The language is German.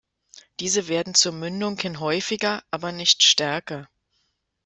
Diese werden zur Mündung hin häufiger, aber nicht stärker.